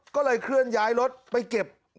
ก็เลยเคลื่อนย้ายรถไปเก็บ